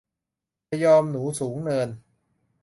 พยอม หนูสูงเนิน